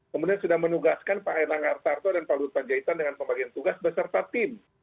kemudian sudah menugaskan pak erlangga artarto dan pak luhut panjaitan dengan pembagian tugas beserta tim